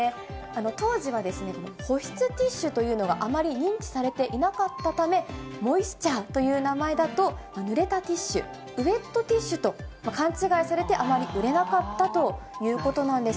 当時は保湿ティッシュというのがあまり認知されていなかったため、モイスチャーという名前だと、ぬれたティッシュ、ウェットティッシュと勘違いされて、あまり売れなかったということなんです。